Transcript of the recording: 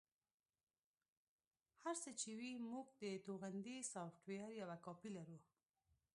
هر څه چې وي موږ د توغندي سافټویر یوه کاپي لرو